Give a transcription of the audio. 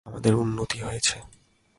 আমাদের উন্নতি হয়েছে।